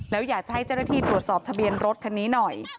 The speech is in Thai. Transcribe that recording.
แล้วอยากจะให้เจ้าหน้าที่ตรวจสอบทะเบียนรถคันนี้หน่อย